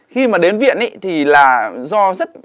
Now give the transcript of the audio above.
khi mà đến viện thì là do rất